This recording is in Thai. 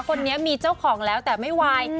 คนนี้มีเจ้าของแล้วแต่ไม่ไหว